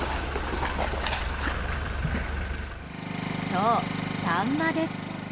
そう、サンマです。